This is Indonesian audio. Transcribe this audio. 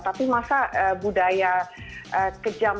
tapi masa budaya kejam